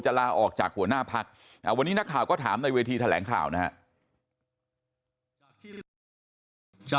ลาออกจากหัวหน้าพักวันนี้นักข่าวก็ถามในเวทีแถลงข่าวนะครับ